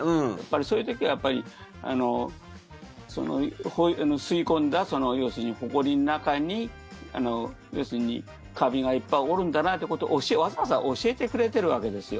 そういう時は吸い込んだほこりの中に要するに、カビがいっぱいおるんだなっていうことをわざわざ教えてくれてるわけですよ。